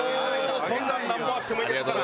こんなんなんぼあってもいいですから。